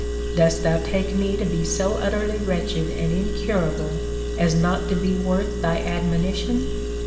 dost thou take me to be so utterly wretched and incurable as not to be worth thy admonition